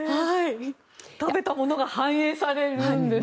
食べたものが反映されるんですね。